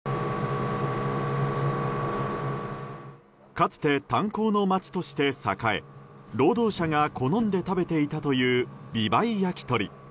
かつて、炭鉱の町として栄え労働者が好んで食べていたという美唄焼き鳥。